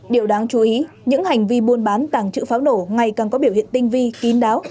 điều đáng chú ý những hành vi buôn bán tàng trữ pháo nổ ngày càng có biểu hiện tinh vi kín đáo